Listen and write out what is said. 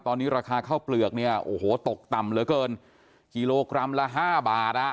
ตอนนี้ราคาข้าวเปลือกเนี่ยโอ้โหตกต่ำเหลือเกินกิโลกรัมละห้าบาทอ่ะ